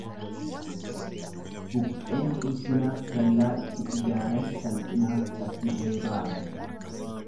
Buqqeen ulfinaaf dallaa itti ijaaran salphinaaf cabsitee baate.